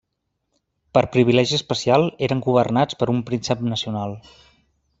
Per privilegi especial eren governats per un príncep nacional.